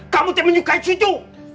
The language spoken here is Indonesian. kamu tidak menyukai cucu